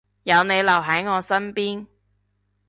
有你留喺我身邊